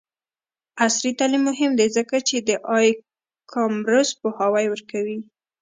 عصري تعلیم مهم دی ځکه چې د ای کامرس پوهاوی ورکوي.